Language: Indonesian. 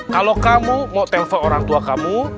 kalau kamu mau telpon orang tua kamu